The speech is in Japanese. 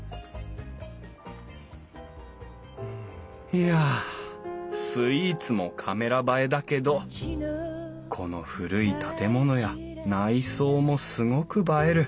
いやスイーツもカメラ映えだけどこの古い建物や内装もすごく映える。